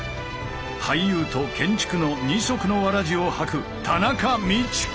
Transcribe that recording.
俳優と建築の二足のわらじを履く田中道子！